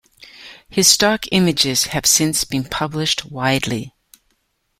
His stock images have since been published widely.